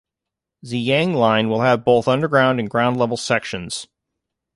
Ziyang Line will have both underground and ground level sections.